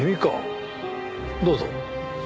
どうぞ。